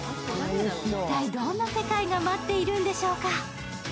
一体どんな世界が待っているんでしょうか？